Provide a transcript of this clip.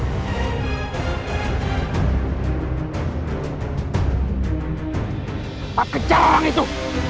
jangan sampai mereka menemukan mereka